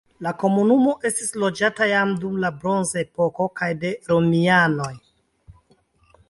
La komunumo estis loĝata jam dum la bronzepoko kaj de romianoj.